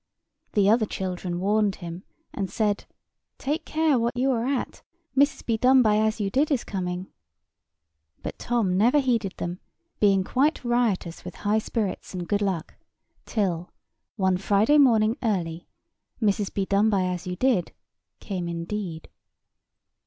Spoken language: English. The other children warned him, and said, "Take care what you are at. Mrs. Bedonebyasyoudid is coming." But Tom never heeded them, being quite riotous with high spirits and good luck, till, one Friday morning early, Mrs. Bedonebyasyoudid came indeed.